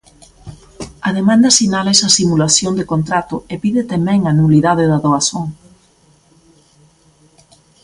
A demanda sinala esa simulación de contrato e pide tamén a nulidade da doazón.